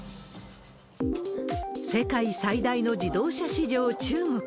世界最大の自動車市場、中国。